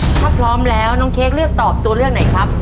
ถ้าพร้อมแล้วน้องเค้กเลือกตอบตัวเลือกไหนครับ